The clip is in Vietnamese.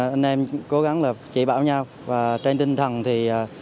anh em cố gắng chỉ bảo nhau trên tinh thần thì